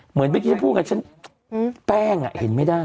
เหมือนเมื่อกี้ฉันพูดกับฉันแป้งเห็นไม่ได้